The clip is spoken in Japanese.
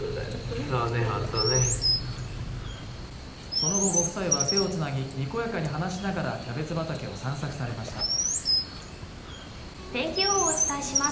その後ご夫妻は手をつなぎにこやかに話しながらキャベツ畑を散策されました天気予報をお伝えします